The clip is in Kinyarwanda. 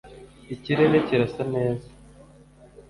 ikirere kirasa neza